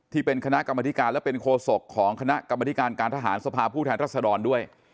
ที่เป็นคณะกรรมธิการและเป็นโคศกของคณะกรรมธิการการทหารสภาพผู้แทนรัศดรด้วย